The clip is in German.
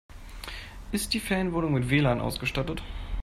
Ist die Ferienwohnung mit WLAN ausgestattet?